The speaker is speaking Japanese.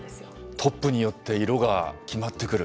トップによって色が決まってくる。